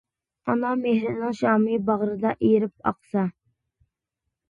ئانا مېھرىنىڭ شامى، باغرىدا ئېرىپ ئاقسا.